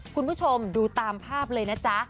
คุณผู้ชมดูตามภาพเลยนะจ๊ะ